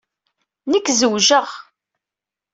Nekk zewjeɣ.